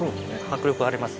迫力あります